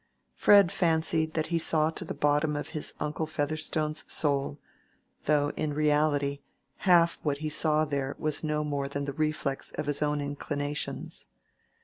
Fred fancied that he saw to the bottom of his uncle Featherstone's soul, though in reality half what he saw there was no more than the reflex of his own inclinations.